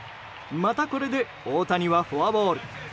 また、これで大谷はフォアボール。